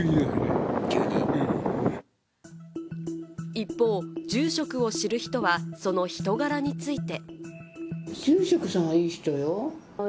一方、住職を知る人は、その人柄について。